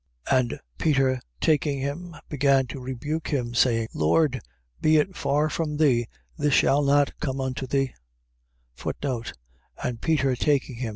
16:22. And Peter taking him, began to rebuke him, saying: Lord, be it far from thee, this shall not be unto thee. And Peter taking him.